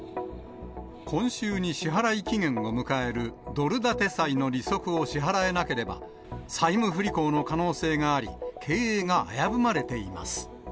今週に支払期限を迎えるドル建て債の利息を支払えなければ、債務不履行の可能性があり、経営が危ぶまれています。